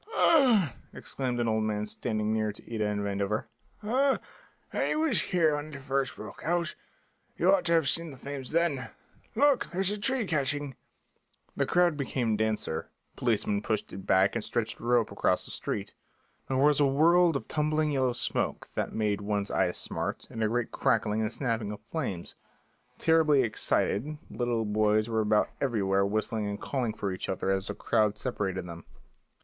"Ah," exclaimed an old man, standing near to Ida and Vandover, "ah, I was here when it first broke out; you ought to have seen the flames then! Look, there's a tree catching!" The crowd became denser; policemen pushed it back and stretched a rope across the street. There was a world of tumbling yellow smoke that made one's eyes smart, and a great crackling and snapping of flames. Terribly excited little boys were about everywhere whistling and calling for each other as the crowd separated them.